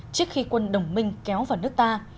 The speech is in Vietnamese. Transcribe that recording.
trước khi quân đồng minh kéo vào nước ta